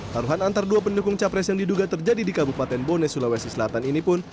taruhan antar dua pendukung capres yang diduga terjadi di kabupaten bone sulawesi selatan ini pun